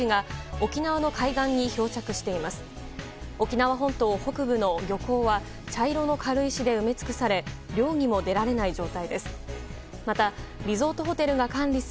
沖縄本島北部の漁港は茶色の軽石で埋め尽くされ漁にも出られない状態です。